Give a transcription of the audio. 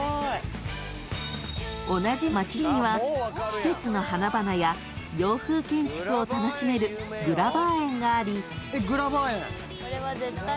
［同じ町には季節の花々や洋風建築を楽しめるグラバー園があり］